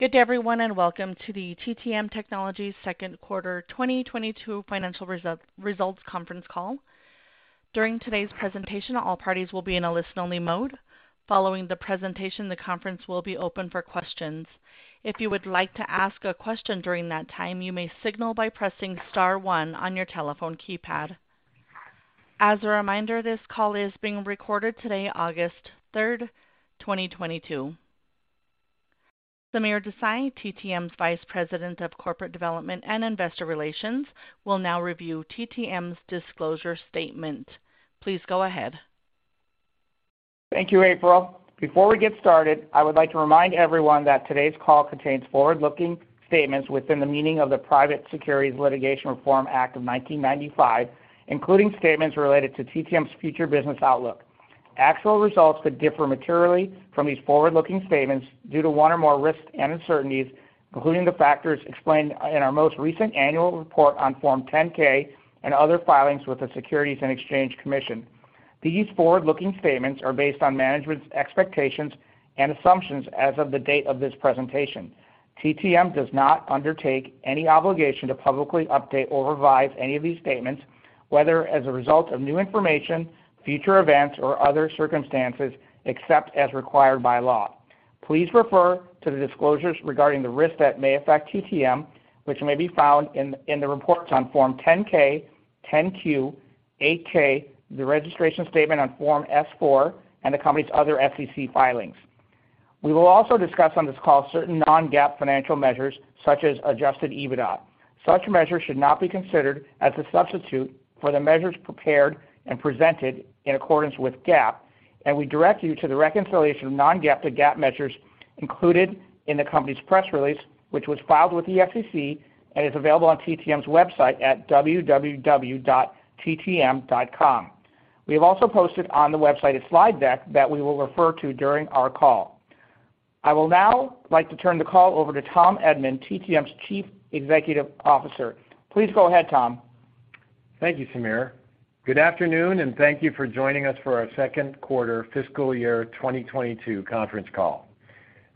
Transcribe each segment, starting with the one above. Good day everyone, and welcome to the TTM Technologies second quarter 2022 financial results conference call. During today's presentation, all parties will be in a listen only mode. Following the presentation, the conference will be open for questions. If you would like to ask a question during that time, you may signal by pressing star one on your telephone keypad. As a reminder, this call is being recorded today, August 3rd, 2022. Sameer Desai, TTM's Vice President of Corporate Development and Investor Relations, will now review TTM's disclosure statement. Please go ahead. Thank you, April. Before we get started, I would like to remind everyone that today's call contains forward-looking statements within the meaning of the Private Securities Litigation Reform Act of 1995, including statements related to TTM's future business outlook. Actual results could differ materially from these forward-looking statements due to one or more risks and uncertainties, including the factors explained in our most recent annual report on Form 10-K and other filings with the Securities and Exchange Commission. These forward-looking statements are based on management's expectations and assumptions as of the date of this presentation. TTM does not undertake any obligation to publicly update or revise any of these statements, whether as a result of new information, future events, or other circumstances except as required by law. Please refer to the disclosures regarding the risks that may affect TTM, which may be found in the reports on Form 10-K, 10-Q, 8-K, the registration statement on Form S-4, and the company's other SEC filings. We will also discuss on this call certain non-GAAP financial measures such as adjusted EBITDA. Such measures should not be considered as a substitute for the measures prepared and presented in accordance with GAAP, and we direct you to the reconciliation of non-GAAP to GAAP measures included in the company's press release, which was filed with the SEC and is available on TTM's website at www.ttm.com. We have also posted on the website a slide deck that we will refer to during our call. I would now like to turn the call over to Tom Edman, TTM's Chief Executive Officer. Please go ahead, Tom. Thank you, Sameer. Good afternoon, and thank you for joining us for our second quarter fiscal year 2022 conference call.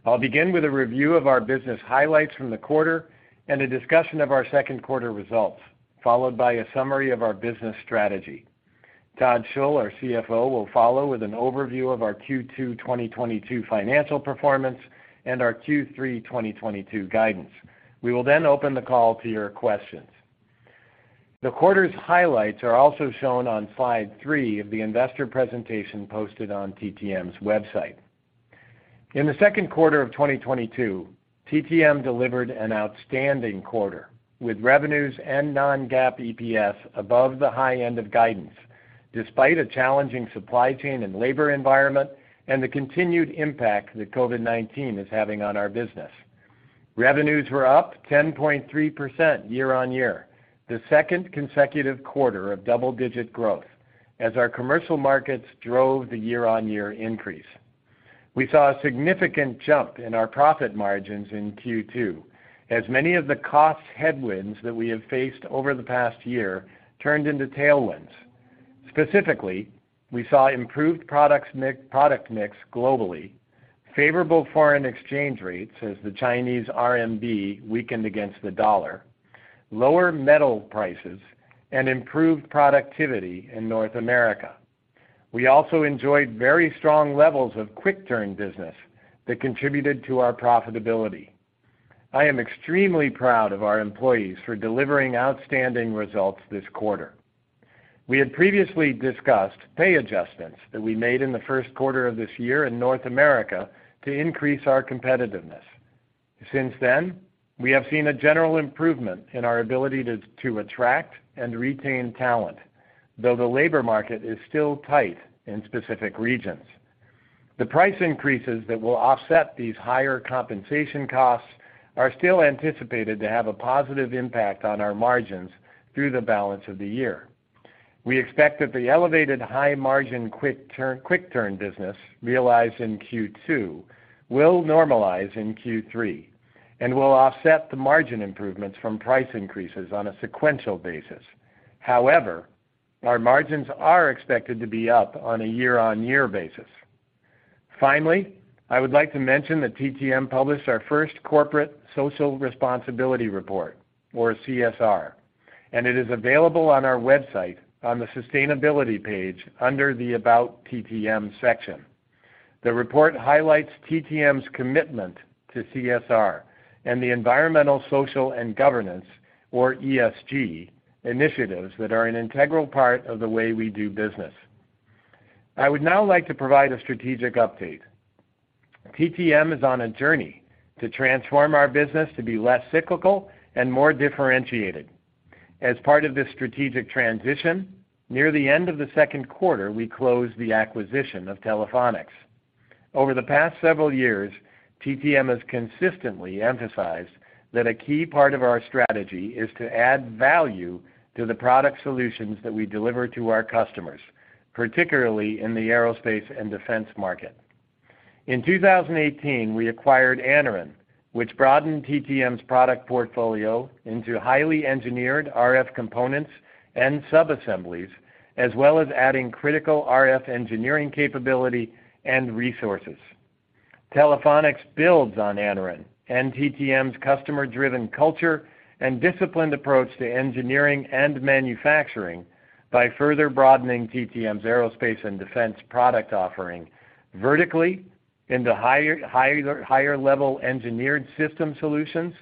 I'll begin with a review of our business highlights from the quarter and a discussion of our second quarter results, followed by a summary of our business strategy. Todd Schull, our CFO, will follow with an overview of our Q2 2022 financial performance and our Q3 2022 guidance. We will then open the call to your questions. The quarter's highlights are also shown on slide three of the investor presentation posted on TTM's website. In the second quarter of 2022, TTM delivered an outstanding quarter, with revenues and non-GAAP EPS above the high end of guidance, despite a challenging supply chain and labor environment and the continued impact that COVID-19 is having on our business. Revenues were up 10.3% year-on-year, the second consecutive quarter of double-digit growth as our commercial markets drove the year-on-year increase. We saw a significant jump in our profit margins in Q2, as many of the cost headwinds that we have faced over the past year turned into tailwinds. Specifically, we saw improved product mix globally, favorable foreign exchange rates as the Chinese RMB weakened against the dollar, lower metal prices, and improved productivity in North America. We also enjoyed very strong levels of quick turn business that contributed to our profitability. I am extremely proud of our employees for delivering outstanding results this quarter. We had previously discussed pay adjustments that we made in the first quarter of this year in North America to increase our competitiveness. Since then, we have seen a general improvement in our ability to attract and retain talent, though the labor market is still tight in specific regions. The price increases that will offset these higher compensation costs are still anticipated to have a positive impact on our margins through the balance of the year. We expect that the elevated high margin quick turn business realized in Q2 will normalize in Q3 and will offset the margin improvements from price increases on a sequential basis. However, our margins are expected to be up on a year-on-year basis. Finally, I would like to mention that TTM published our first corporate social responsibility report or CSR, and it is available on our website on the Sustainability page under the About TTM section. The report highlights TTM's commitment to CSR and the environmental, social, and governance, or ESG initiatives that are an integral part of the way we do business. I would now like to provide a strategic update. TTM is on a journey to transform our business to be less cyclical and more differentiated. As part of this strategic transition, near the end of the second quarter, we closed the acquisition of Telephonics. Over the past several years, TTM has consistently emphasized that a key part of our strategy is to add value to the product solutions that we deliver to our customers, particularly in the aerospace and defense market. In 2018, we acquired Anaren, which broadened TTM's product portfolio into highly engineered RF components and subassemblies, as well as adding critical RF engineering capability and resources. Telephonics builds on Anaren and TTM's customer-driven culture and disciplined approach to engineering and manufacturing by further broadening TTM's aerospace and defense product offering vertically into higher level engineered system solutions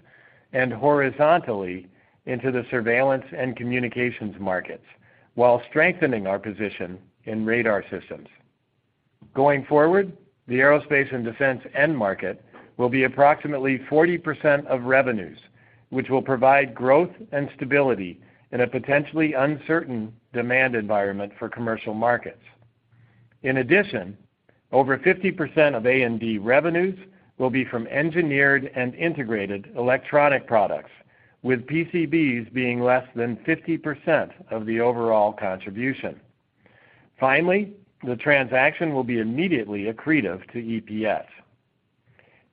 and horizontally into the surveillance and communications markets while strengthening our position in radar systems. Going forward, the aerospace and defense end market will be approximately 40% of revenues, which will provide growth and stability in a potentially uncertain demand environment for commercial markets. In addition, over 50% of A&D revenues will be from engineered and integrated electronic products, with PCBs being less than 50% of the overall contribution. Finally, the transaction will be immediately accretive to EPS.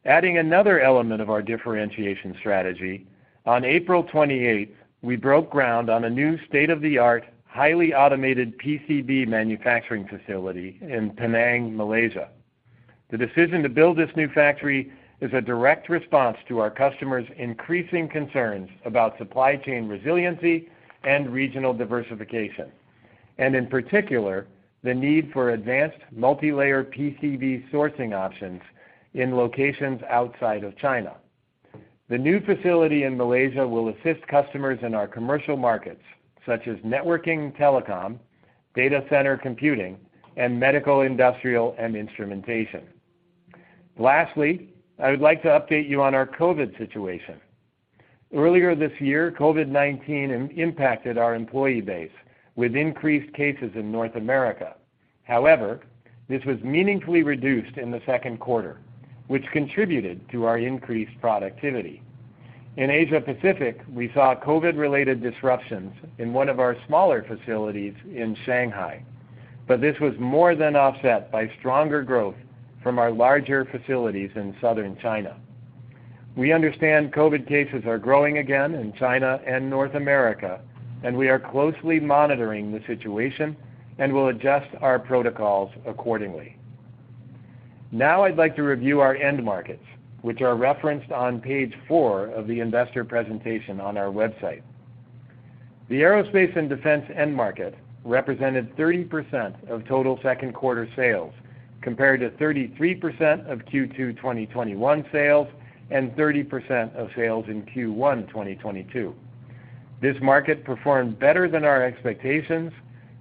Adding another element of our differentiation strategy, on April 28, we broke ground on a new state-of-the-art, highly automated PCB manufacturing facility in Penang, Malaysia. The decision to build this new factory is a direct response to our customers' increasing concerns about supply chain resiliency and regional diversification, and in particular, the need for advanced multilayer PCB sourcing options in locations outside of China. The new facility in Malaysia will assist customers in our commercial markets, such as networking and telecom, data center computing, and medical, industrial, and instrumentation. Lastly, I would like to update you on our COVID situation. Earlier this year, COVID-19 impacted our employee base with increased cases in North America. However, this was meaningfully reduced in the second quarter, which contributed to our increased productivity. In Asia Pacific, we saw COVID-related disruptions in one of our smaller facilities in Shanghai, but this was more than offset by stronger growth from our larger facilities in Southern China. We understand COVID cases are growing again in China and North America, and we are closely monitoring the situation and will adjust our protocols accordingly. Now I'd like to review our end markets, which are referenced on page four of the investor presentation on our website. The Aerospace and Defense end market represented 30% of total second quarter sales compared to 33% of Q2 2021 sales and 30% of sales in Q1 2022. This market performed better than our expectations,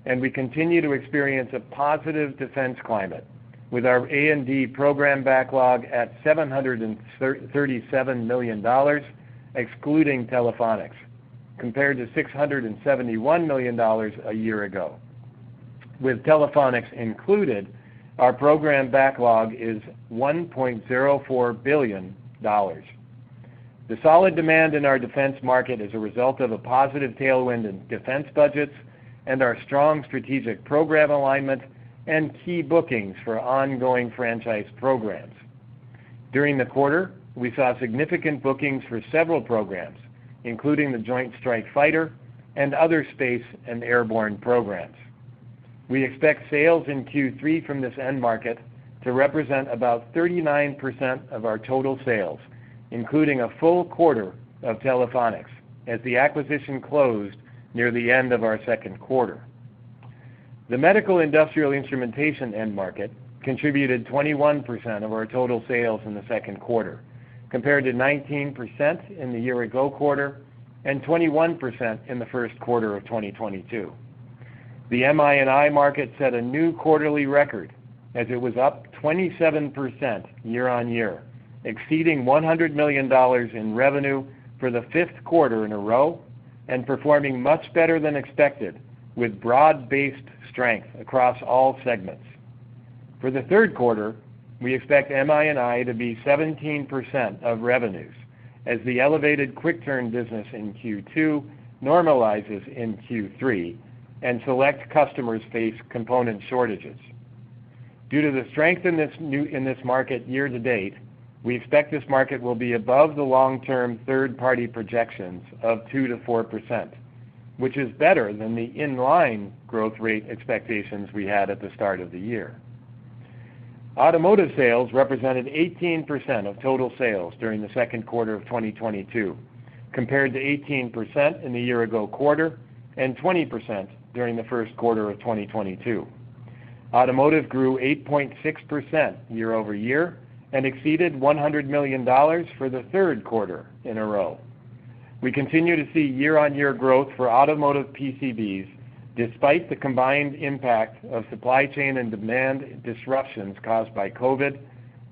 and we continue to experience a positive defense climate with our A&D program backlog at $737 million, excluding Telephonics, compared to $671 million a year ago. With Telephonics included, our program backlog is $1.04 billion. The solid demand in our defense market is a result of a positive tailwind in defense budgets and our strong strategic program alignment and key bookings for ongoing franchise programs. During the quarter, we saw significant bookings for several programs, including the Joint Strike Fighter and other space and airborne programs. We expect sales in Q3 from this end market to represent about 39% of our total sales, including a full quarter of Telephonics as the acquisition closed near the end of our second quarter. The medical industrial instrumentation end market contributed 21% of our total sales in the second quarter, compared to 19% in the year ago quarter and 21% in the first quarter of 2022. The MI&I market set a new quarterly record as it was up 27% year-on-year, exceeding $100 million in revenue for the fifth quarter in a row and performing much better than expected with broad-based strength across all segments. For the third quarter, we expect MI&I to be 17% of revenues as the elevated quick turn business in Q2 normalizes in Q3 and select customers face component shortages. Due to the strength in this market year to date, we expect this market will be above the long-term third-party projections of 2%-4%, which is better than the in-line growth rate expectations we had at the start of the year. Automotive sales represented 18% of total sales during the second quarter of 2022, compared to 18% in the year ago quarter and 20% during the first quarter of 2022. Automotive grew 8.6% year-over-year and exceeded $100 million for the third quarter in a row. We continue to see year-over-year growth for automotive PCBs despite the combined impact of supply chain and demand disruptions caused by COVID,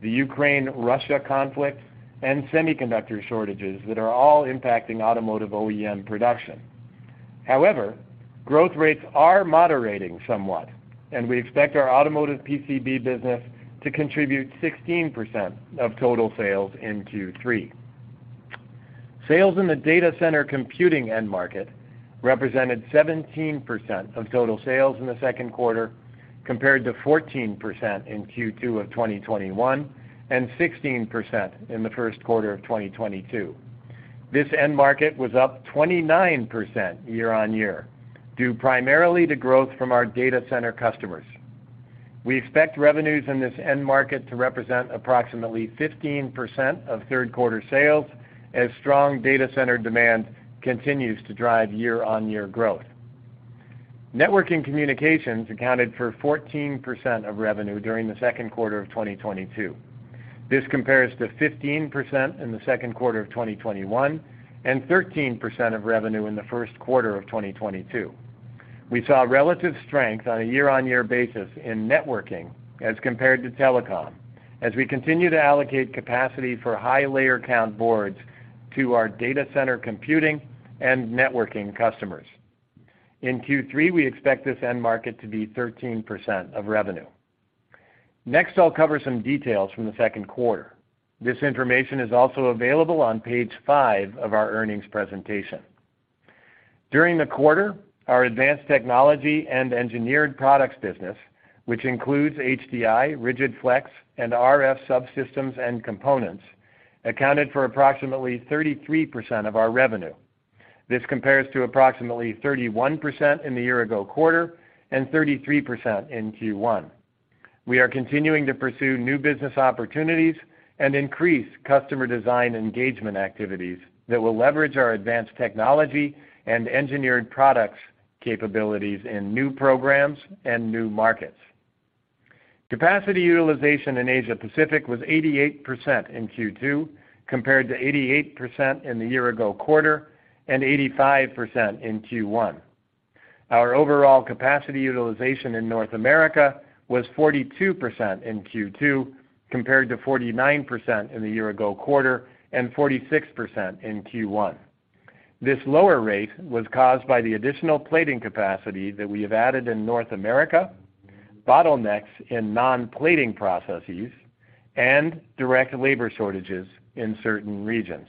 the Ukraine-Russia conflict, and semiconductor shortages that are all impacting automotive OEM production. However, growth rates are moderating somewhat, and we expect our automotive PCB business to contribute 16% of total sales in Q3. Sales in the data center computing end market represented 17% of total sales in the second quarter, compared to 14% in Q2 of 2021 and 16% in the first quarter of 2022. This end market was up 29% year-on-year, due primarily to growth from our data center customers. We expect revenues in this end market to represent approximately 15% of third quarter sales as strong data center demand continues to drive year-on-year growth. Networking communications accounted for 14% of revenue during the second quarter of 2022. This compares to 15% in the second quarter of 2021 and 13% of revenue in the first quarter of 2022. We saw relative strength on a year-on-year basis in networking as compared to telecom as we continue to allocate capacity for high layer count boards to our data center computing and networking customers. In Q3, we expect this end market to be 13% of revenue. Next, I'll cover some details from the second quarter. This information is also available on page five of our earnings presentation. During the quarter, our advanced technology and engineered products business, which includes HDI, rigid-flex, and RF subsystems and components, accounted for approximately 33% of our revenue. This compares to approximately 31% in the year-ago quarter and 33% in Q1. We are continuing to pursue new business opportunities and increase customer design engagement activities that will leverage our advanced technology and engineered products capabilities in new programs and new markets. Capacity utilization in Asia Pacific was 88% in Q2 compared to 88% in the year ago quarter and 85% in Q1. Our overall capacity utilization in North America was 42% in Q2 compared to 49% in the year ago quarter and 46% in Q1. This lower rate was caused by the additional plating capacity that we have added in North America, bottlenecks in non-plating processes, and direct labor shortages in certain regions.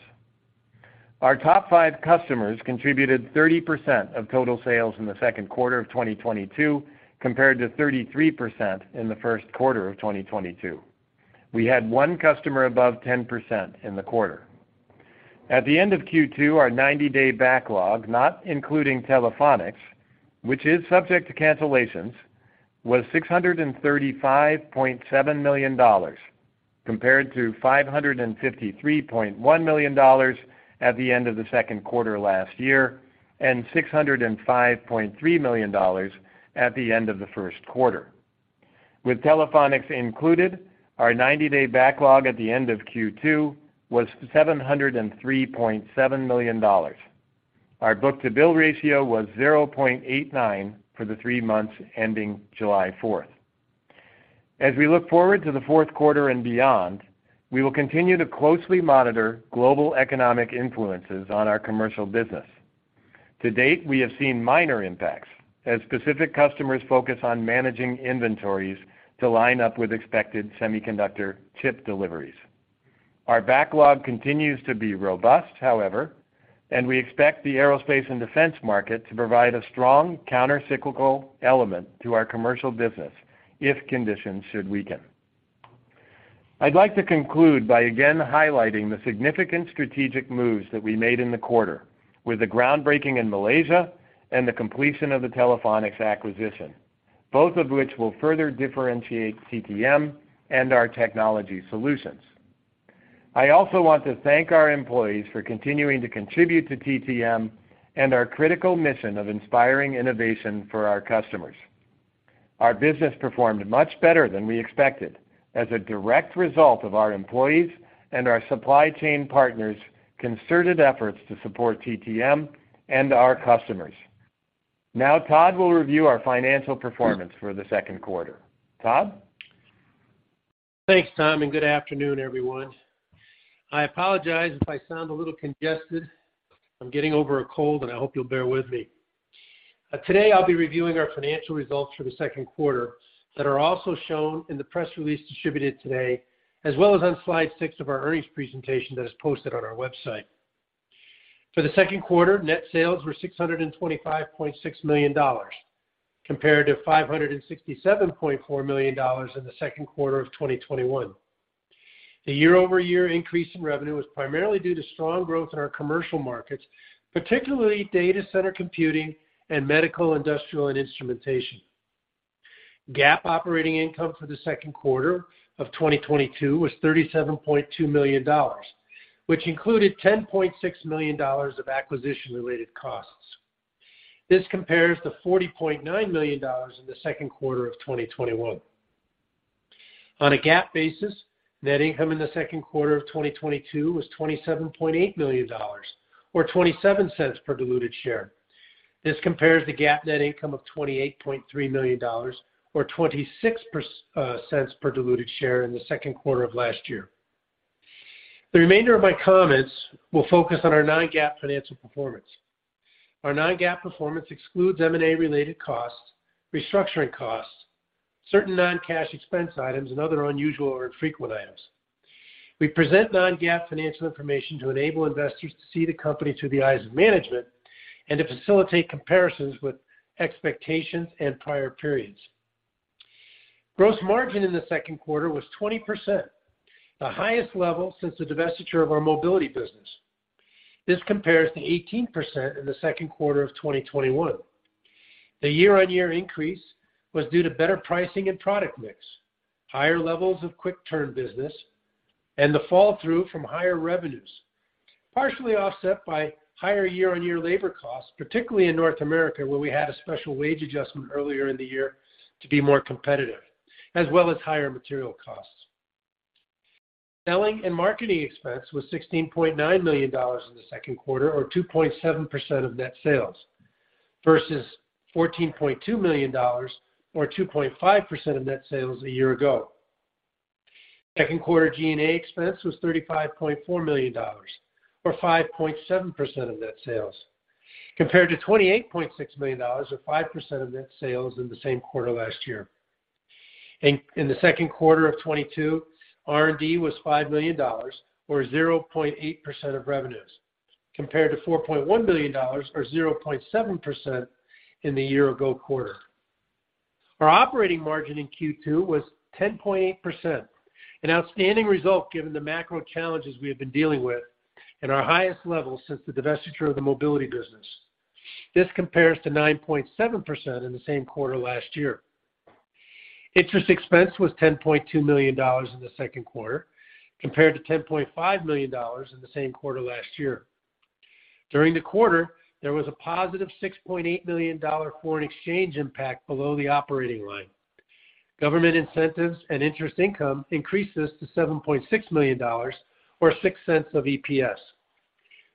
Our top five customers contributed 30% of total sales in the second quarter of 2022 compared to 33% in the first quarter of 2022. We had one customer above 10% in the quarter. At the end of Q2, our 90-day backlog, not including Telephonics, which is subject to cancellations, was $635.7 million compared to $553.1 million at the end of the second quarter last year and $605.3 million at the end of the first quarter. With Telephonics included, our 90-day backlog at the end of Q2 was $703.7 million. Our book-to-bill ratio was 0.89 for the three months ending July fourth. As we look forward to the fourth quarter and beyond, we will continue to closely monitor global economic influences on our commercial business. To date, we have seen minor impacts as specific customers focus on managing inventories to line up with expected semiconductor chip deliveries. Our backlog continues to be robust, however, and we expect the aerospace and defense market to provide a strong countercyclical element to our commercial business if conditions should weaken. I'd like to conclude by again highlighting the significant strategic moves that we made in the quarter with the groundbreaking in Malaysia and the completion of the Telephonics acquisition, both of which will further differentiate TTM and our technology solutions. I also want to thank our employees for continuing to contribute to TTM and our critical mission of inspiring innovation for our customers. Our business performed much better than we expected as a direct result of our employees and our supply chain partners' concerted efforts to support TTM and our customers. Now Todd will review our financial performance for the second quarter. Todd? Thanks, Tom, and good afternoon, everyone. I apologize if I sound a little congested. I'm getting over a cold, and I hope you'll bear with me. Today I'll be reviewing our financial results for the second quarter that are also shown in the press release distributed today, as well as on slide six of our earnings presentation that is posted on our website. For the second quarter, net sales were $625.6 million compared to $567.4 million in the second quarter of 2021. The year-over-year increase in revenue was primarily due to strong growth in our commercial markets, particularly data center computing and medical, industrial, and instrumentation. GAAP operating income for the second quarter of 2022 was $37.2 million, which included $10.6 million of acquisition-related costs. This compares to $40.9 million in the second quarter of 2021. On a GAAP basis, net income in the second quarter of 2022 was $27.8 million or $0.27 per diluted share. This compares to GAAP net income of $28.3 million or $0.26 per diluted share in the second quarter of last year. The remainder of my comments will focus on our non-GAAP financial performance. Our non-GAAP performance excludes M&A-related costs, restructuring costs, certain non-cash expense items, and other unusual or infrequent items. We present non-GAAP financial information to enable investors to see the company through the eyes of management and to facilitate comparisons with expectations and prior periods. Gross margin in the second quarter was 20%, the highest level since the divestiture of our Mobility business. This compares to 18% in the second quarter of 2021. The year-on-year increase was due to better pricing and product mix, higher levels of quick turn business, and theflow-through from higher revenues, partially offset by higher year-on-year labor costs, particularly in North America, where we had a special wage adjustment earlier in the year to be more competitive, as well as higher material costs. Selling and marketing expense was $16.9 million in the second quarter or 2.7% of net sales versus $14.2 million or 2.5% of net sales a year ago. Second quarter G&A expense was $35.4 million or 5.7% of net sales, compared to $28.6 million or 5% of net sales in the same quarter last year. In the second quarter of 2022, R&D was $5 million or 0.8% of revenues, compared to $4.1 million or 0.7% in the year-ago quarter. Our operating margin in Q2 was 10.8%. An outstanding result given the macro challenges we have been dealing with and our highest level since the divestiture of the Mobility business. This compares to 9.7% in the same quarter last year. Interest expense was $10.2 million in the second quarter compared to $10.5 million in the same quarter last year. During the quarter, there was a positive $6.8 million foreign exchange impact below the operating line. Government incentives and interest income increases to $7.6 million or $0.06 EPS.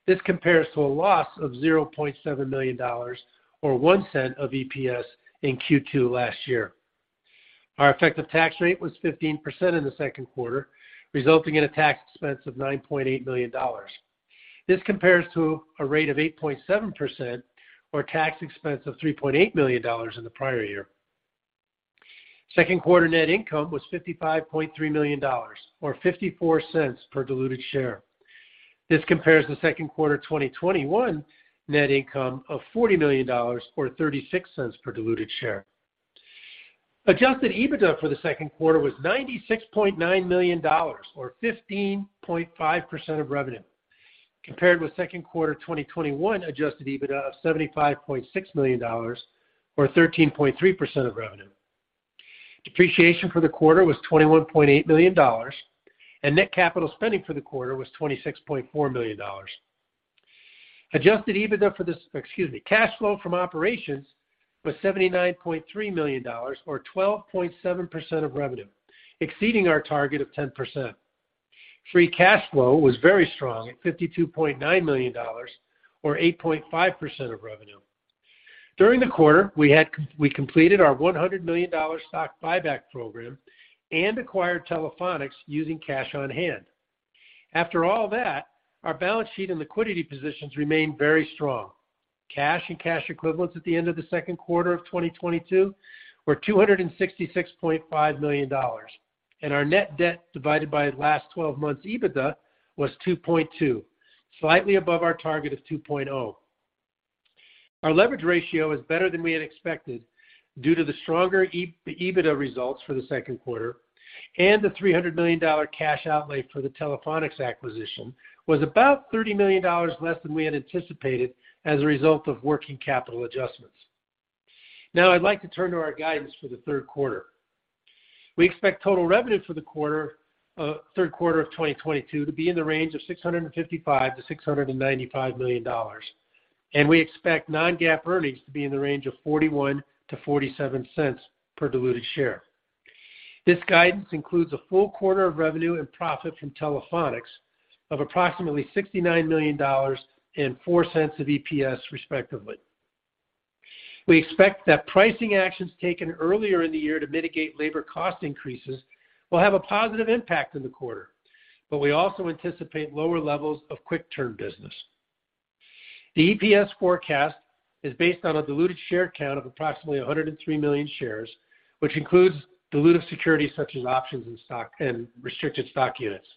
This compares to a loss of $0.7 million or $0.01 of EPS in Q2 last year. Our effective tax rate was 15% in the second quarter, resulting in a tax expense of $9.8 million. This compares to a rate of 8.7% or tax expense of $3.8 million in the prior year. Second quarter net income was $55.3 million or $0.54 per diluted share. This compares to second quarter 2021 net income of $40 million or $0.36 per diluted share. Adjusted EBITDA for the second quarter was $96.9 million or 15.5% of revenue, compared with second quarter 2021 adjusted EBITDA of $75.6 million or 13.3% of revenue. Depreciation for the quarter was $21.8 million, and net capital spending for the quarter was $26.4 million. Cash flow from operations was $79.3 million or 12.7% of revenue, exceeding our target of 10%. Free cash flow was very strong at $52.9 million or 8.5% of revenue. During the quarter, we completed our $100 million stock buyback program and acquired Telephonics using cash on hand. After all that, our balance sheet and liquidity positions remain very strong. Cash and cash equivalents at the end of the second quarter of 2022 were $266.5 million, and our net debt divided by last twelve months EBITDA was 2.2, slightly above our target of 2.0. Our leverage ratio is better than we had expected due to the stronger EBITDA results for the second quarter, and the $300 million cash outlay for the Telephonics acquisition was about $30 million less than we had anticipated as a result of working capital adjustments. Now I'd like to turn to our guidance for the third quarter. We expect total revenue for the quarter, third quarter of 2022 to be in the range of $655 million-$695 million, and we expect non-GAAP earnings to be in the range of $0.41-$0.47 per diluted share. This guidance includes a full quarter of revenue and profit from Telephonics of approximately $69 million and $0.04 of EPS, respectively. We expect that pricing actions taken earlier in the year to mitigate labor cost increases will have a positive impact in the quarter, but we also anticipate lower levels of quick turn business. The EPS forecast is based on a diluted share count of approximately 103 million shares, which includes dilutive securities such as options and stock and restricted stock units.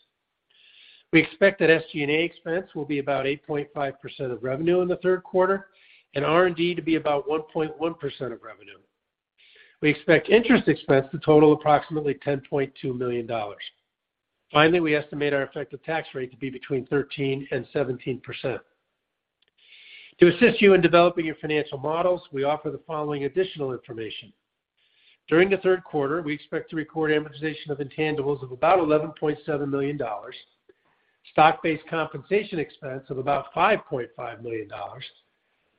We expect that SG&A expense will be about 8.5% of revenue in the third quarter and R&D to be about 1.1% of revenue. We expect interest expense to total approximately $10.2 million. Finally, we estimate our effective tax rate to be between 13% and 17%. To assist you in developing your financial models, we offer the following additional information. During the third quarter, we expect to record amortization of intangibles of about $11.7 million, stock-based compensation expense of about $5.5 million,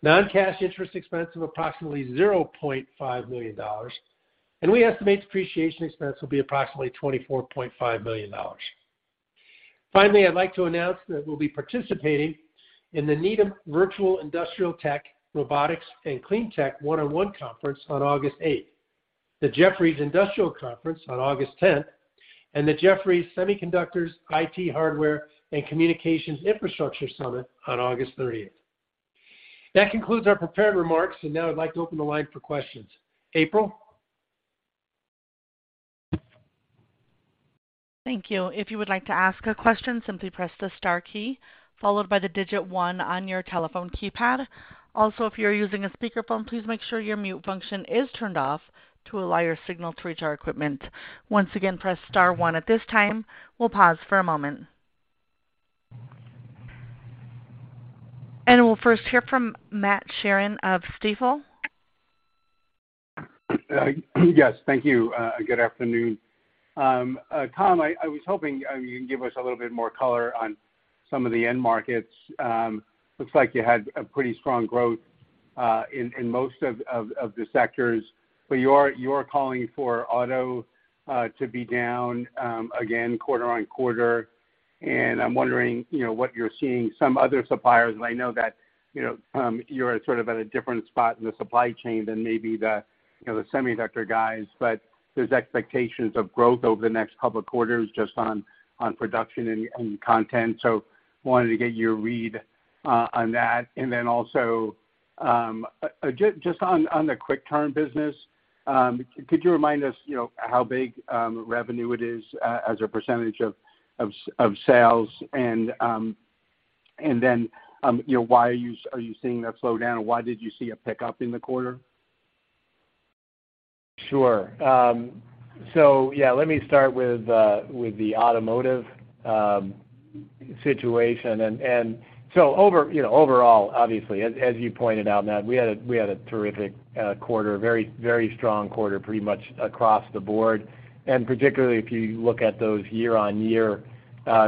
non-cash interest expense of approximately $0.5 million, and we estimate depreciation expense will be approximately $24.5 million. Finally, I'd like to announce that we'll be participating in the Needham Virtual Industrial, Tech, Robotics and Clean Tech One-on-One Conference on August 8, the Jefferies Industrial Conference on August 10, and the Jefferies Semiconductors, IT Hardware and Communications Infrastructure Summit on August 30. That concludes our prepared remarks. Now I'd like to open the line for questions. April? Thank you. If you would like to ask a question, simply press the star key followed by the digit one on your telephone keypad. Also, if you're using a speakerphone, please make sure your mute function is turned off to allow your signal to reach our equipment. Once again, press star one at this time. We'll pause for a moment. We'll first hear from Matthew Sheerin of Stifel. Yes, thank you. Good afternoon. Tom, I was hoping you can give us a little bit more color on some of the end markets. Looks like you had a pretty strong growth in most of the sectors. You're calling for auto to be down again quarter-over-quarter. I'm wondering, you know, what you're seeing some other suppliers, and I know that, you know, you're sort of at a different spot in the supply chain than maybe the, you know, the semiconductor guys, but there's expectations of growth over the next couple of quarters just on production and content. Wanted to get your read on that. Just on the quick turn business, could you remind us, you know, how big revenue it is as a percentage of sales? You know, why are you seeing that slow down, and why did you see a pickup in the quarter? Sure. Yeah, let me start with the automotive situation. You know, overall, obviously, as you pointed out, Matt, we had a terrific quarter, very strong quarter pretty much across the board, and particularly if you look at those year-on-year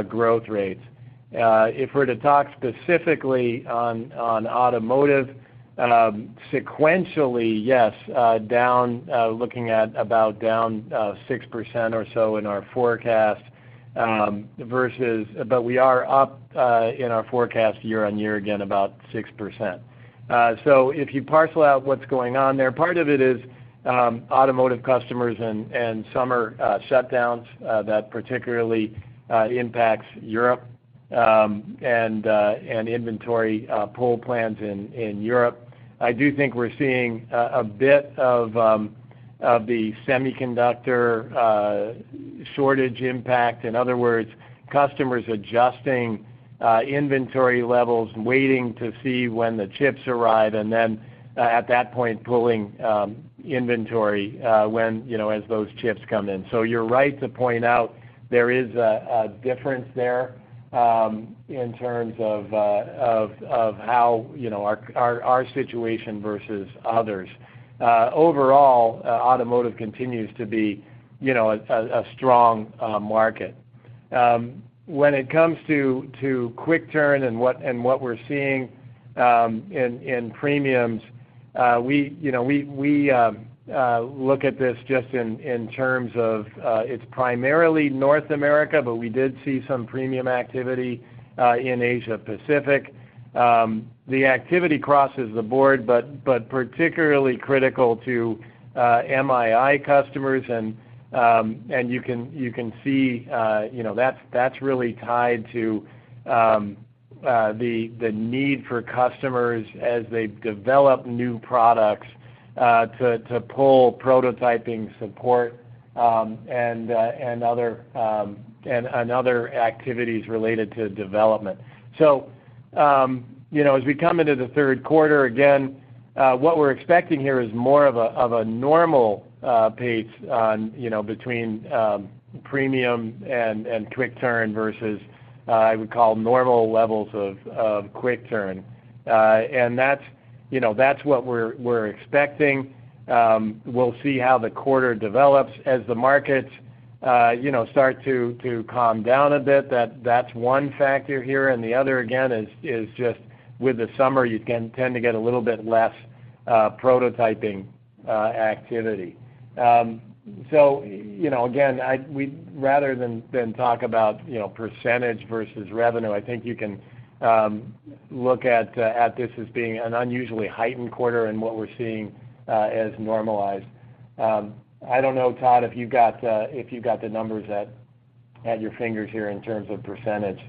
growth rates. If we're to talk specifically on automotive, sequentially, yes, down, looking at about 6% or so in our forecast. We are up in our forecast year-on-year about 6%. If you parcel out what's going on there, part of it is automotive customers and summer shutdowns that particularly impacts Europe, and inventory pull plans in Europe. I do think we're seeing a bit of the semiconductor shortage impact, in other words, customers adjusting inventory levels, waiting to see when the chips arrive and then at that point, pulling inventory when, you know, as those chips come in. You're right to point out there is a difference there in terms of how, you know, our situation versus others. Overall, automotive continues to be, you know, a strong market. When it comes to quick turn and what we're seeing in premiums, we, you know, we look at this just in terms of, it's primarily North America, but we did see some premium activity in Asia-Pacific. The activity crosses the board, but particularly critical to MI&I customers and you can see, you know, that's really tied to the need for customers as they develop new products to pull prototyping support and other activities related to development. You know, as we come into the third quarter, again, what we're expecting here is more of a normal pace on, you know, between premium and quick turn versus I would call normal levels of quick turn. That's, you know, that's what we're expecting. We'll see how the quarter develops as the markets, you know, start to calm down a bit. That's one factor here, and the other, again, is just with the summer, you can tend to get a little bit less prototyping activity. So, you know, again, we'd rather not talk about, you know, percentage versus revenue, I think you can look at this as being an unusually heightened quarter and what we're seeing as normalized. I don't know, Todd, if you've got the numbers at your fingertips here in terms of percentage.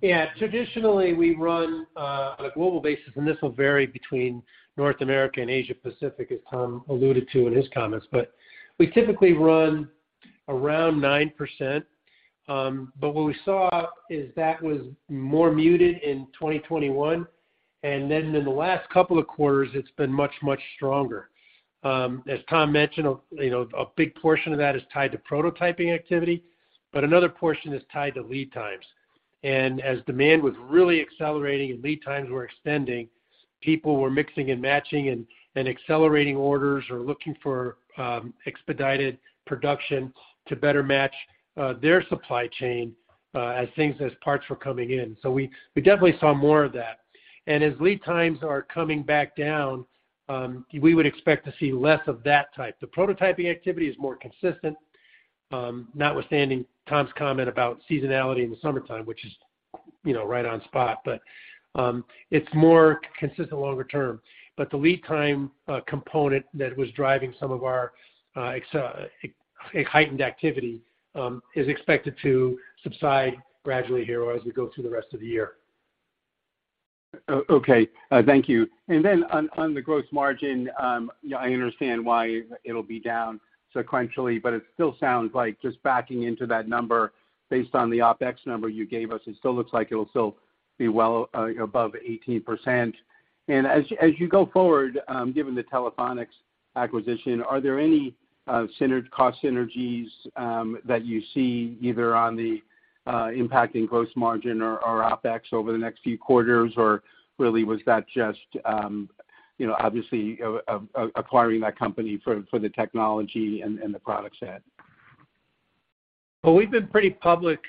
Yeah. Traditionally, we run on a global basis, and this will vary between North America and Asia-Pacific, as Tom alluded to in his comments. We typically run around 9%. What we saw is that was more muted in 2021, and then in the last couple of quarters, it's been much, much stronger. As Tom mentioned, you know, a big portion of that is tied to prototyping activity, but another portion is tied to lead times. As demand was really accelerating and lead times were extending, people were mixing and matching and accelerating orders or looking for expedited production to better match their supply chain as parts were coming in. We definitely saw more of that. As lead times are coming back down, we would expect to see less of that type. The prototyping activity is more consistent, notwithstanding Tom's comment about seasonality in the summertime, which is, you know, right on spot. It's more consistent longer term. The lead time component that was driving some of our heightened activity is expected to subside gradually here or as we go through the rest of the year. Okay. Thank you. Then on the gross margin, yeah, I understand why it'll be down sequentially, but it still sounds like just backing into that number based on the OpEx number you gave us, it still looks like it'll still be well above 18%. As you go forward, given the Telephonics acquisition, are there any cost synergies that you see either on the impact in gross margin or OpEx over the next few quarters? Or really was that just, you know, obviously, acquiring that company for the technology and the product set? Well, we've been pretty public,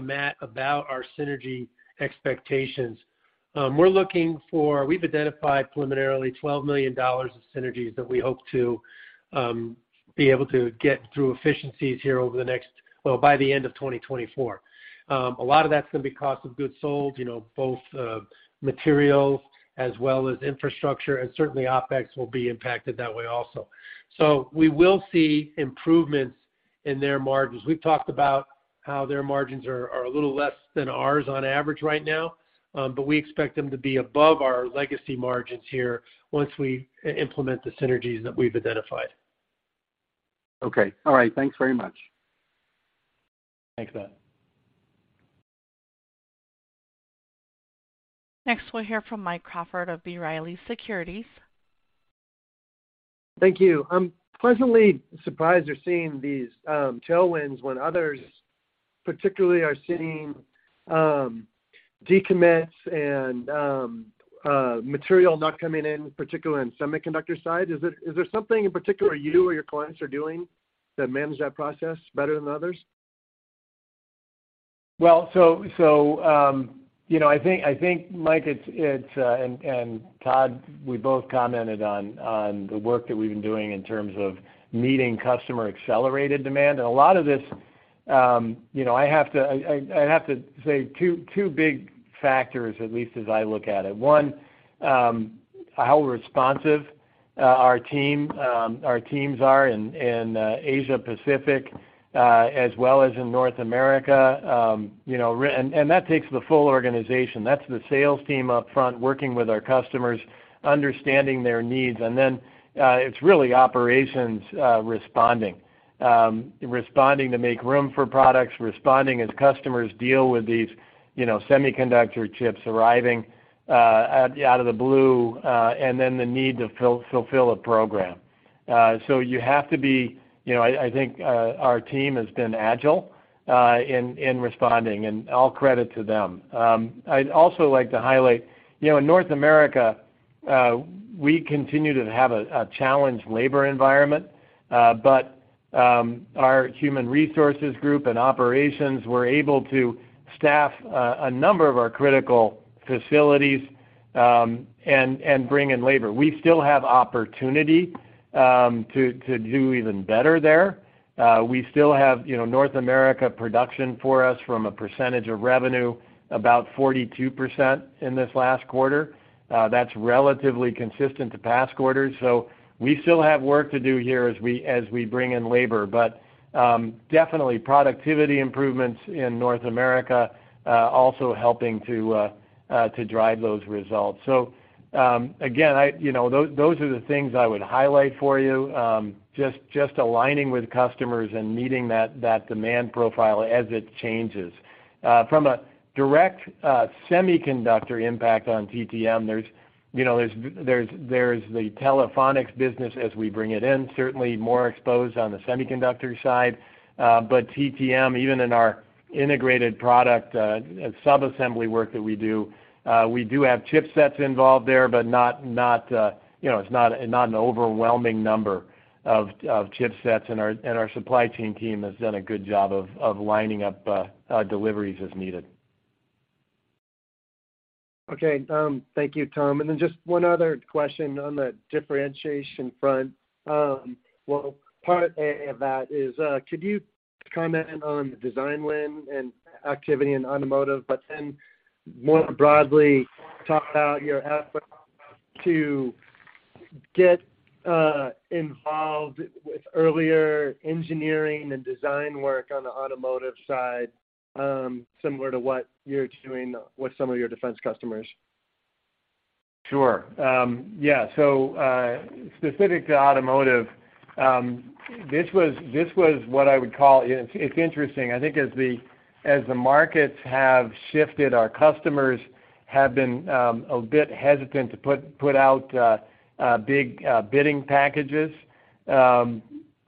Matt, about our synergy expectations. We've identified preliminarily $12 million of synergies that we hope to be able to get through efficiencies here over the next. Well, by the end of 2024. A lot of that's gonna be cost of goods sold, you know, both materials as well as infrastructure, and certainly OpEx will be impacted that way also. We will see improvements in their margins. We've talked about how their margins are a little less than ours on average right now, but we expect them to be above our legacy margins here once we implement the synergies that we've identified. Okay. All right. Thanks very much. Thanks, Matt. Next, we'll hear from Mike Crawford of B. Riley Securities. Thank you. I'm pleasantly surprised you're seeing these tailwinds when others, particularly, are seeing decommits and material not coming in, particularly in semiconductor side. Is there something in particular you or your clients are doing that manage that process better than others? Well, you know, I think, Mike, it's and Todd, we both commented on the work that we've been doing in terms of meeting customer accelerated demand. A lot of this, you know, I have to say two big factors, at least as I look at it. One, how responsive our team, our teams are in Asia Pacific, as well as in North America, you know, and that takes the full organization. That's the sales team up front working with our customers, understanding their needs. Then, it's really operations responding. Responding to make room for products, responding as customers deal with these, you know, semiconductor chips arriving out of the blue, and then the need to fulfill a program. You have to be. You know, I think our team has been agile in responding, and all credit to them. I'd also like to highlight, you know, in North America, we continue to have a challenged labor environment, but our human resources group and operations were able to staff a number of our critical facilities and bring in labor. We still have opportunity to do even better there. We still have, you know, North America production for us from a percentage of revenue, about 42% in this last quarter. That's relatively consistent to past quarters. We still have work to do here as we bring in labor. Definitely productivity improvements in North America also helping to drive those results. Again, you know, those are the things I would highlight for you, just aligning with customers and meeting that demand profile as it changes. From a direct semiconductor impact on TTM, there's you know there's the Telephonics business as we bring it in, certainly more exposed on the semiconductor side. But TTM, even in our integrated product sub-assembly work that we do, we do have chipsets involved there, but not you know it's not an overwhelming number of chipsets. Our supply chain team has done a good job of lining up deliveries as needed. Okay. Thank you, Tom. Just one other question on the differentiation front. Well, part of that is, could you comment on the design win and activity in automotive, but then more broadly talk about your effort to get involved with earlier engineering and design work on the automotive side, similar to what you're doing with some of your defense customers? Sure. Yeah. Specific to automotive, it's interesting. I think as the markets have shifted, our customers have been a bit hesitant to put out big bidding packages,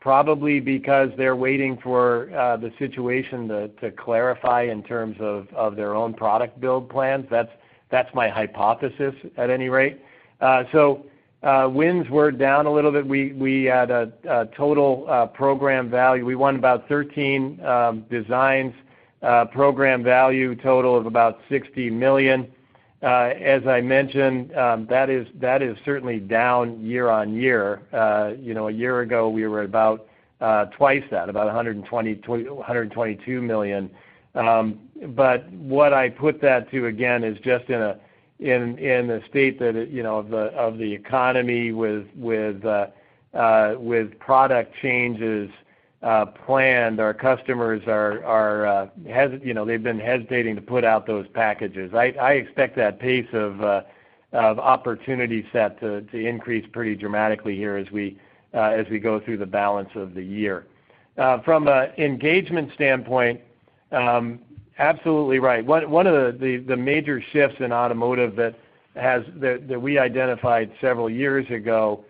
probably because they're waiting for the situation to clarify in terms of their own product build plans. That's my hypothesis at any rate. Wins were down a little bit. We had a total program value. We won about 13 designs, program value total of about $60 million. As I mentioned, that is certainly down year-over-year. You know, a year ago, we were about twice that, about $122 million. What I put that to again is just in the state that it, you know, of the economy with product changes planned, our customers are hesitating, you know, they've been hesitating to put out those packages. I expect that pace of opportunity set to increase pretty dramatically here as we go through the balance of the year. From an engagement standpoint, absolutely right. One of the major shifts in automotive that we identified several years ago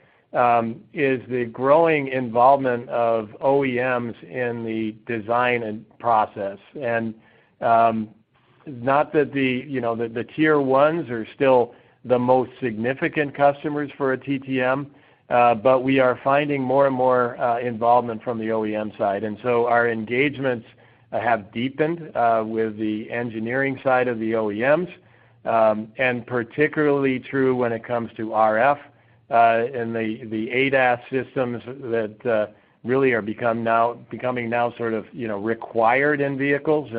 is the growing involvement of OEMs in the design and process. Not that the, you know, the Tier 1s are still the most significant customers for TTM, but we are finding more and more involvement from the OEM side. Our engagements have deepened with the engineering side of the OEMs, and particularly true when it comes to RF, and the ADAS systems that really are becoming now sort of, you know, required in vehicles.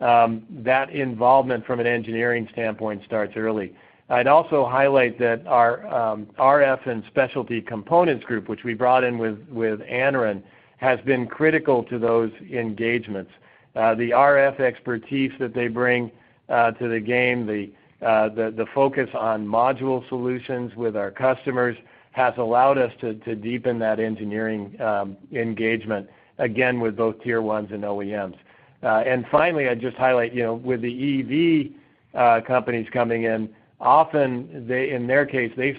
That involvement from an engineering standpoint starts early. I'd also highlight that our RF and specialty components group, which we brought in with Anaren, has been critical to those engagements. The RF expertise that they bring to the game, the focus on module solutions with our customers has allowed us to deepen that engineering engagement, again, with both Tier 1s and OEMs. Finally, I'd just highlight, you know, with the EV companies coming in, often they, in their case, they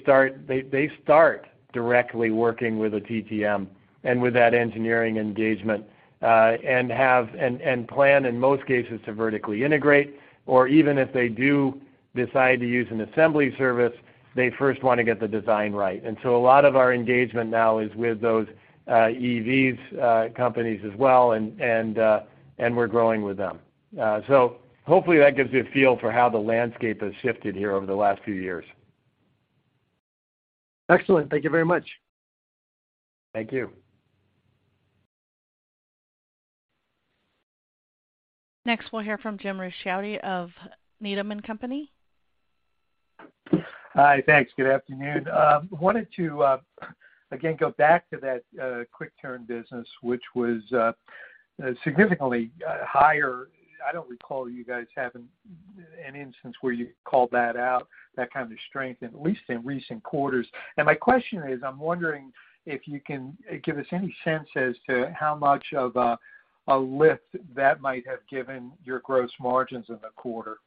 start directly working with a TTM and with that engineering engagement and plan in most cases to vertically integrate, or even if they do decide to use an assembly service, they first wanna get the design right. A lot of our engagement now is with those EVs companies as well, and we're growing with them. Hopefully that gives you a feel for how the landscape has shifted here over the last few years. Excellent. Thank you very much. Thank you. Next, we'll hear from James Ricchiuti of Needham & Company. Hi. Thanks. Good afternoon. Wanted to again go back to that quick turn business, which was significantly higher. I don't recall you guys having an instance where you called that out, that kind of strength, at least in recent quarters. My question is, I'm wondering if you can give us any sense as to how much of a lift that might have given your gross margins in the quarter.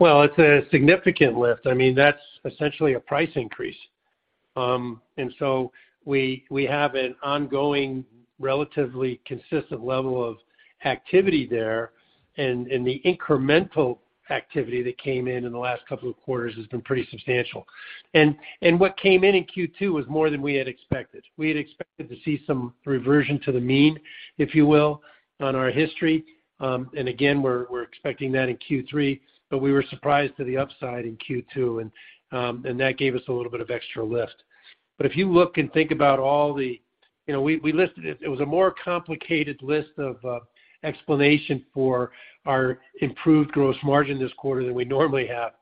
Well, it's a significant lift. I mean, that's essentially a price increase. We have an ongoing, relatively consistent level of activity there, and the incremental activity that came in in the last couple of quarters has been pretty substantial. What came in in Q2 was more than we had expected. We had expected to see some reversion to the mean, if you will, on our history. We're expecting that in Q3, but we were surprised to the upside in Q2, and that gave us a little bit of extra lift. If you look and think about all the we listed it. It was a more complicated list of explanation for our improved gross margin this quarter than we normally have.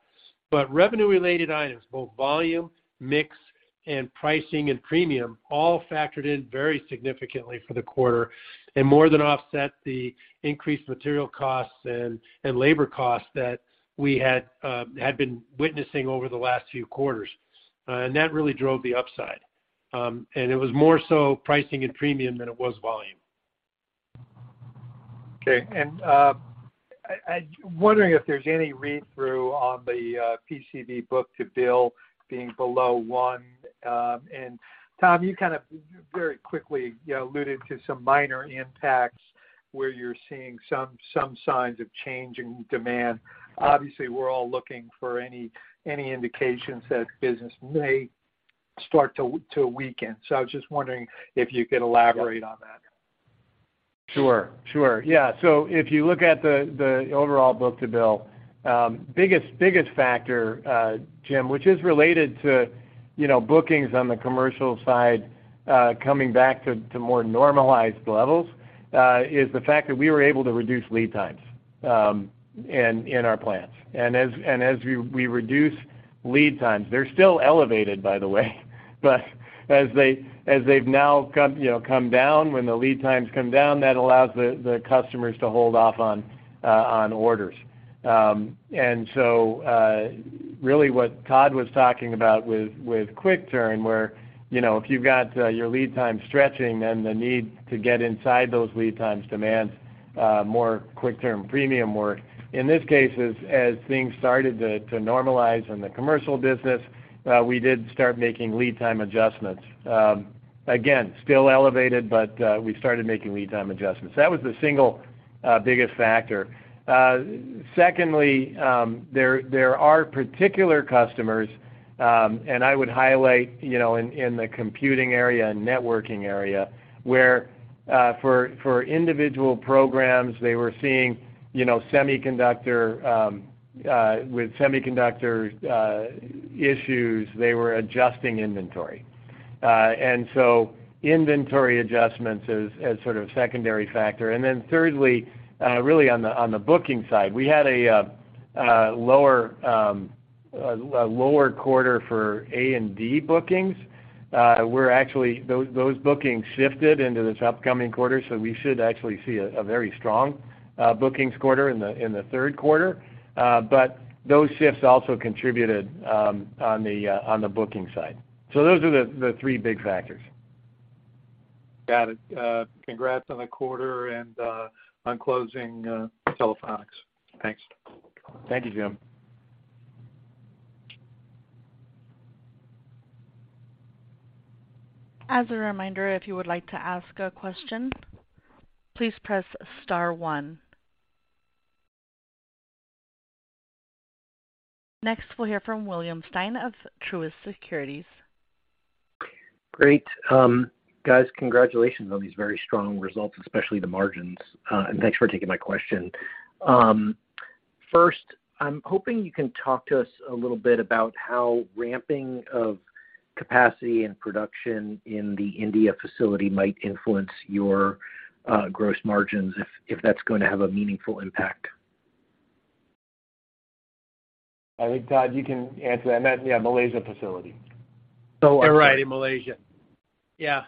Revenue-related items, both volume, mix, and pricing and premium all factored in very significantly for the quarter and more than offset the increased material costs and labor costs that we had been witnessing over the last few quarters. That really drove the upside. It was more so pricing and premium than it was volume. Okay. I'm wondering if there's any read-through on the PCB book-to-bill being below one. Tom, you kind of very quickly, you know, alluded to some minor impacts where you're seeing some signs of change in demand. Obviously, we're all looking for any indications that business may start to weaken. I was just wondering if you could elaborate on that. Sure. Yeah. If you look at the overall book-to-bill, biggest factor, James, which is related to, you know, bookings on the commercial side coming back to more normalized levels, is the fact that we were able to reduce lead times in our plants. As we reduce lead times, they're still elevated by the way, but as they've now come, you know, come down, when the lead times come down, that allows the customers to hold off on orders. Really what Todd was talking about with quick turn, where, you know, if you've got your lead time stretching, then the need to get inside those lead times demands more quick turn premium work. In this case, things started to normalize in the commercial business, we did start making lead time adjustments. Again, still elevated, but we started making lead time adjustments. That was the single biggest factor. Secondly, there are particular customers, and I would highlight, you know, in the computing area and networking area, where, for individual programs, they were seeing, you know, semiconductor issues, they were adjusting inventory. Inventory adjustments as sort of secondary factor. Thirdly, really on the booking side, we had a lower quarter for A&D bookings. Those bookings shifted into this upcoming quarter, so we should actually see a very strong bookings quarter in the third quarter. Those shifts also contributed on the booking side. Those are the three big factors. Got it. Congrats on the quarter and on closing Telephonics. Thanks. Thank you, Jim. As a reminder, if you would like to ask a question, please press star one. Next, we'll hear from William Stein of Truist Securities. Great. Guys, congratulations on these very strong results, especially the margins, and thanks for taking my question. First, I'm hoping you can talk to us a little bit about how ramping of capacity and production in the Malaysia facility might influence your gross margins if that's gonna have a meaningful impact? I think, Todd, you can answer that. That, yeah, Malaysia facility. So- You're right, Malaysia. Yeah.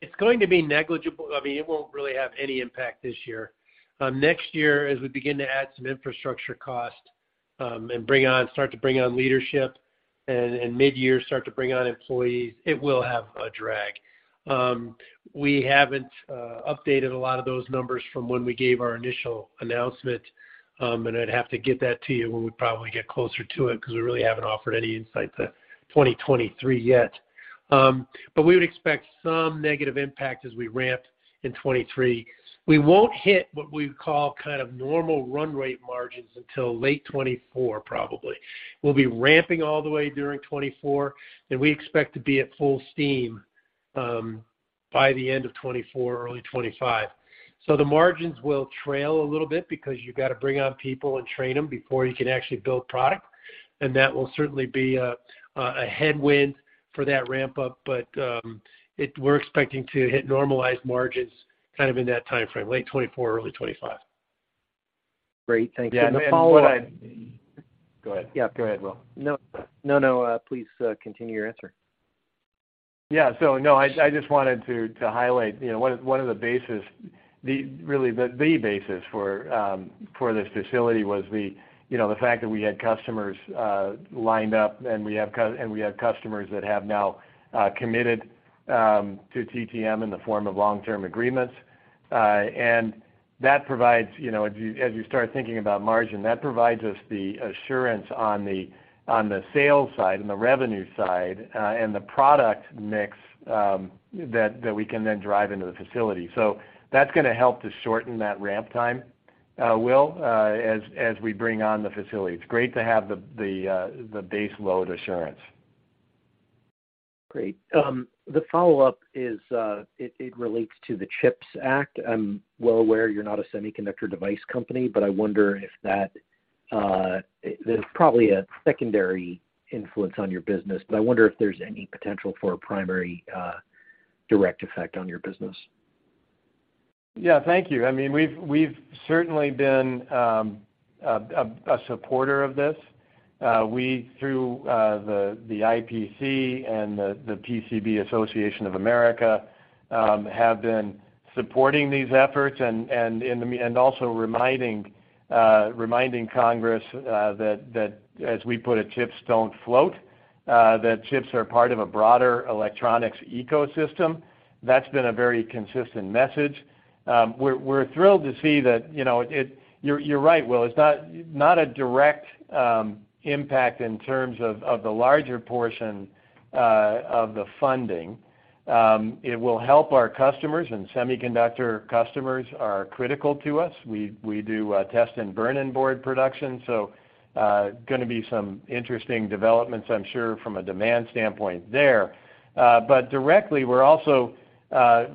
It's going to be negligible. I mean, it won't really have any impact this year. Next year as we begin to add some infrastructure cost, and start to bring on leadership and midyear start to bring on employees, it will have a drag. We haven't updated a lot of those numbers from when we gave our initial announcement, and I'd have to get that to you when we probably get closer to it because we really haven't offered any insight to 2023 yet. We would expect some negative impact as we ramp in 2023. We won't hit what we would call kind of normal run rate margins until late 2024 probably. We'll be ramping all the way during 2024, and we expect to be at full steam by the end of 2024, early 2025. The margins will trail a little bit because you gotta bring on people and train them before you can actually build product, and that will certainly be a headwind for that ramp-up. We're expecting to hit normalized margins kind of in that timeframe, late 2024, early 2025. Great. Thank you. A follow-up- Yeah. Go ahead. Yeah. Go ahead, Will. No, no, please continue your answer. Yeah. No, I just wanted to highlight, you know, one of the basis, really the basis for this facility was the, you know, the fact that we had customers lined up, and we have customers that have now committed to TTM in the form of long-term agreements. And that provides, you know, as you start thinking about margin, that provides us the assurance on the sales side and the revenue side, and the product mix, that we can then drive into the facility. That's gonna help to shorten that ramp time, Will, as we bring on the facility. It's great to have the base load assurance. Great. The follow-up is, it relates to the CHIPS Act. I'm well aware you're not a semiconductor device company, but I wonder if that, there's probably a secondary influence on your business, but I wonder if there's any potential for a primary, direct effect on your business. Yeah. Thank you. I mean, we've certainly been a supporter of this. We, through the IPC and the PCB Association of America, have been supporting these efforts and also reminding Congress that, as we put it, chips don't float, that chips are part of a broader electronics ecosystem. That's been a very consistent message. We're thrilled to see that, you know. You're right, Will. It's not a direct impact in terms of the larger portion of the funding. It will help our customers, and semiconductor customers are critical to us. We do test and burn-in board production, so gonna be some interesting developments I'm sure from a demand standpoint there. Directly, we're also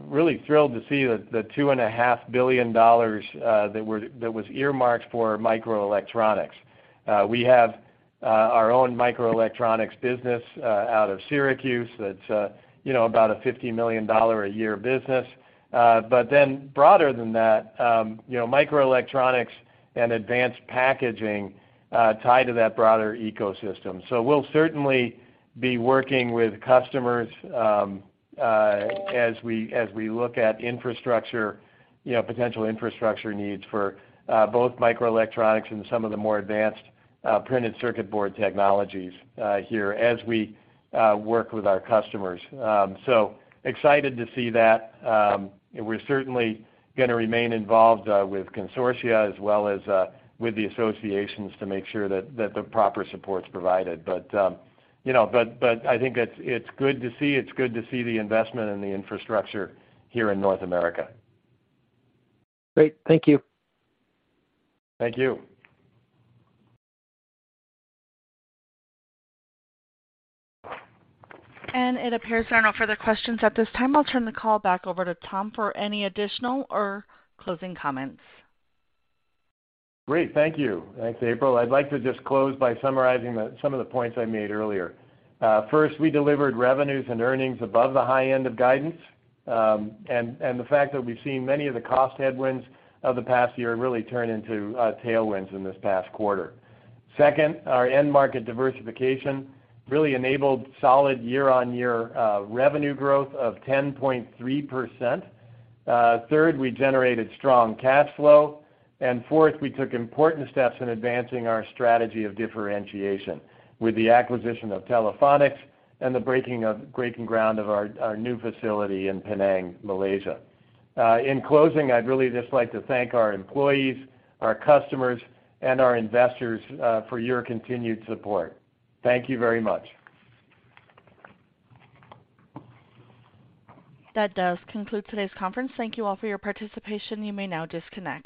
really thrilled to see the $2.5 billion that was earmarked for microelectronics. We have our own microelectronics business out of Syracuse that's, you know, about a $50 million a year business. Broader than that, you know, microelectronics and advanced packaging tie to that broader ecosystem. We'll certainly be working with customers as we look at infrastructure, you know, potential infrastructure needs for both microelectronics and some of the more advanced printed circuit board technologies here as we work with our customers. Excited to see that. We're certainly gonna remain involved with consortia as well as with the associations to make sure that the proper support's provided. You know, but I think it's good to see the investment in the infrastructure here in North America. Great. Thank you. Thank you. It appears there are no further questions at this time. I'll turn the call back over to Tom for any additional or closing comments. Great. Thank you. Thanks, April. I'd like to just close by summarizing some of the points I made earlier. First, we delivered revenues and earnings above the high end of guidance, and the fact that we've seen many of the cost headwinds of the past year really turn into tailwinds in this past quarter. Second, our end market diversification really enabled solid year-on-year revenue growth of 10.3%. Third, we generated strong cash flow. And fourth, we took important steps in advancing our strategy of differentiation with the acquisition of Telephonics and the breaking ground of our new facility in Penang, Malaysia. In closing, I'd really just like to thank our employees, our customers, and our investors for your continued support. Thank you very much. That does conclude today's conference. Thank you all for your participation. You may now disconnect.